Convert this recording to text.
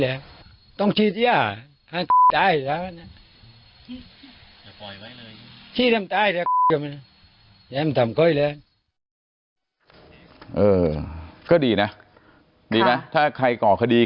เออก็ดีนะดีนะถ้าใครก่อกดี